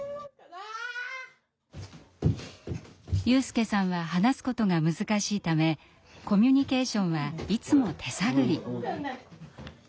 友祐さんは話すことが難しいためコミュニケーションはいつも手探り。